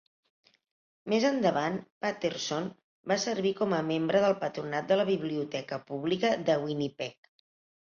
Més endavant, Patterson va servir com a membre del patronat de la biblioteca pública de Winnipeg.